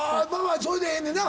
あそれでええねんな。